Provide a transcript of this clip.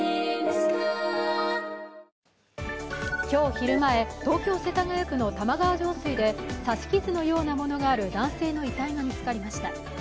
今日昼前、東京・世田谷区の玉川上水で刺し傷のようなものがある男性の遺体が見つかりました。